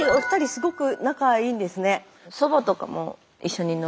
すごく仲いいんですね。